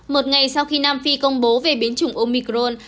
một ngày sau khi nam phi công bố về biến chủng omicron